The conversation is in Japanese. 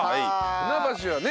船橋はね